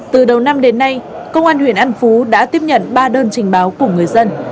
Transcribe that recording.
từ đầu năm đến nay công an huyện an phú đã tiếp nhận ba đơn trình báo của người dân